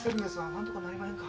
なんとかなりまへんか。